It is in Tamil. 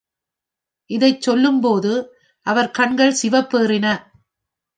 இதைச் சொல்லும்போது அவர் கண்கள் சிவப்பேறின.